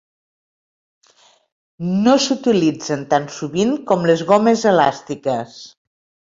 No s'utilitzen tan sovint com les gomes elàstiques.